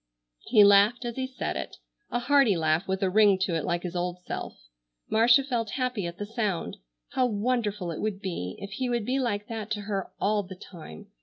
He laughed as he said it, a hearty laugh with a ring to it like his old self. Marcia felt happy at the sound. How wonderful it would be if he would be like that to her all the time!